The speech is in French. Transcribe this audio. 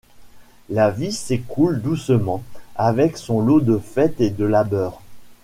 La vie s'écoule doucement, avec son lot de fêtes et de labeurs...